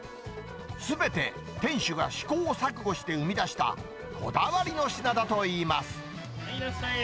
すべて店主が試行錯誤して生み出したこだわりの品だといいます。